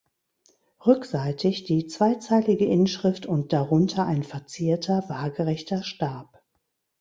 Rückseitig die zweizeilige Inschrift und darunter ein verzierter waagrechter Stab.